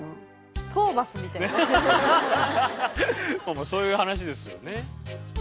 もうそういう話ですよね。